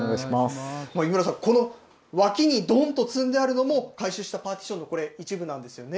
井村さん、この脇にどんと積んであるのも、回収したパーティションのこれ、一部なんですよね。